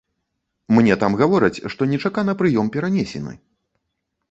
Мне там гавораць, што нечакана прыём перанесены.